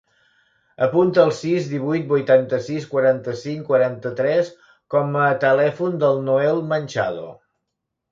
Apunta el sis, divuit, vuitanta-sis, quaranta-cinc, quaranta-tres com a telèfon del Noel Manchado.